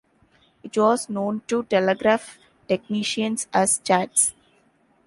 It was known to telegraph technicians as 'chats'.